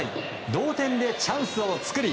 同点でチャンスを作り